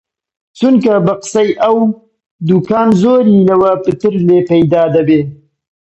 چونکە بە قسەی ئەو، دووکان زۆری لەوە پتر لێ پەیدا دەبێ